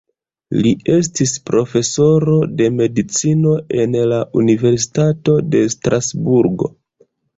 Li estis profesoro de medicino en la Universitato de Strasburgo.